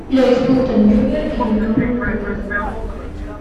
Lo disputan Junior y Unión Magdalena.